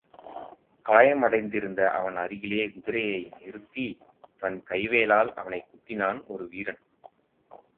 காயமடைந்திருந்த அவன் அருகிலே குதிரையை நிறுத்தித் தன் கைவேலால் அவனைக் குத்தினான், ஒருவீரன்.